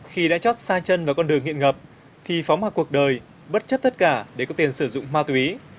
khi đã chót xa chân vào con đường hiện ngập thì phóng vào cuộc đời bất chấp tất cả để có tiền sử dụng ma túy